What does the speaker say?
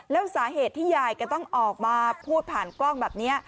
แล้วสาเหตุที่ยายแกต้องออกมาพูดผ่านกล้องแบบนี้